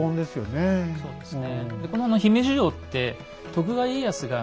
はいそうですね。